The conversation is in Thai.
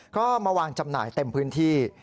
ก็มาวางจำหน่ายเต็มพื้นที่